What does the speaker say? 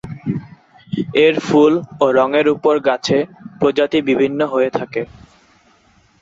এর ফুল ও রঙের উপর গাছে প্রজাতি বিভিন্ন হয়ে থাকে।